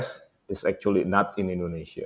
sebenarnya tidak ada di indonesia